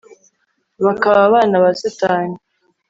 bakaba abana ba satani